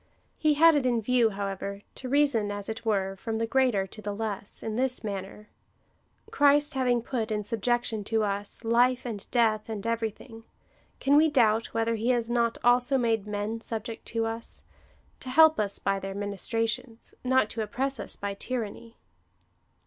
He had it in view, however, to rea son, as it were, from the greater to the less, in this manner :" Christ having put in subjection to us life and death, and everything, can we doubt, whether he has not also made men subject to us, to help us by their ministrations — not to oppress us by tyranny."